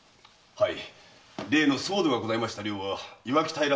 はい。